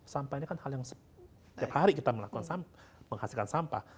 sampah ini kan hal yang setiap hari kita melakukan menghasilkan sampah